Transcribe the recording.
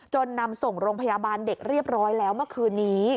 นำส่งโรงพยาบาลเด็กเรียบร้อยแล้วเมื่อคืนนี้